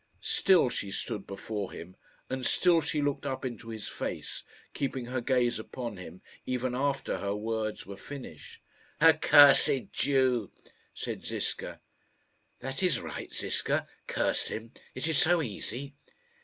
Still she stood before him, and still she looked up into his face, keeping her gaze upon him even after her words were finished. "Accursed Jew!" said Ziska. "That is right, Ziska; curse him; it is so easy."